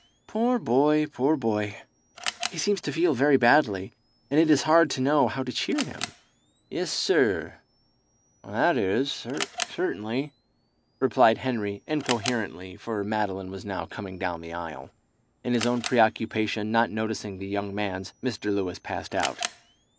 "Poor boy, poor boy! He seems to feel very badly, and it is hard to know how to cheer him." "Yes, sir that is certainly," replied Henry incoherently, for Madeline was now coming down the aisle. In his own preoccupation not noticing the young man's, Mr. Lewis passed out.